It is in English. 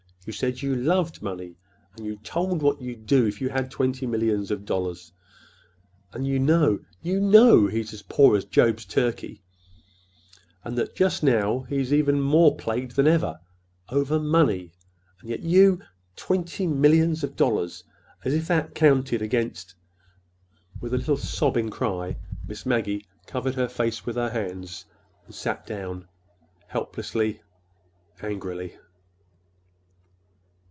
You said you loved money; and you told what you'd do—if you had twenty millions of dollars. And you know—you know he's as poor as Job's turkey, and that just now he's more than ever plagued over—money! And yet you—Twenty millions of dollars! As if that counted against—" With a little sobbing cry Miss Maggie covered her face with her hands and sat down, helplessly, angrily.